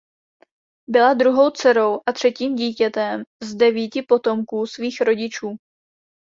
Byla druhou dcerou a třetím dítětem z devíti potomků svých rodičů.